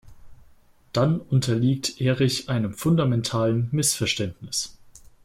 Dann unterliegt Erich einem fundamentalen Missverständnis.